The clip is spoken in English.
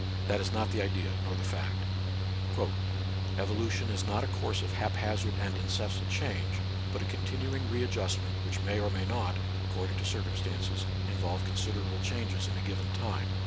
That is not the idea, nor the fact. " Evolution is not a course of hap hazard and incessant change, but a continu ing re adjustment, which may or may not, ac cording to circumstances, involve considerable changes in a given time."